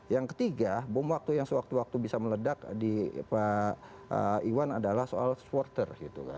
yang ketiga bom waktu yang sewaktu waktu bisa meledak di pak iwan adalah soal supporter